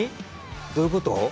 どういうこと？